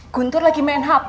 guntur lagi main hp